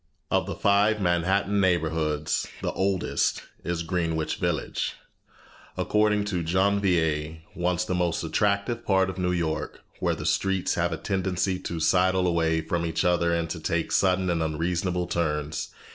Of the five Manhattan neighborhoods the oldest is Greenwich Village, according to Janvier once the most attractive part of New York, where the streets "have a tendency to sidle away from each other and to take sudden and unreasonable turns."